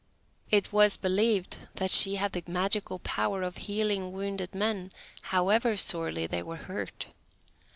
It was believed that she had the magical power of healing wounded men, however sorely they were hurt.